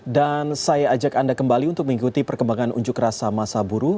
dan saya ajak anda kembali untuk mengikuti perkembangan unjuk rasa masa buruh